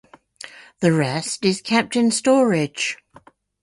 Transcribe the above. The rest is kept in storage.